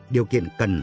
điều kiện cần